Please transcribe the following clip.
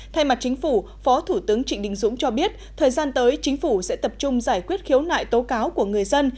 thay mặt chính phủ phó thủ tướng trịnh đình dũng cho biết thời gian tới chính phủ sẽ tập trung giải quyết khiếu nại tố cáo của người dân